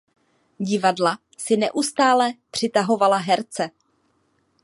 Divadla si neustále přitahovala herce.